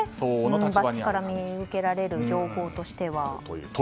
形から見受けられる情報としては。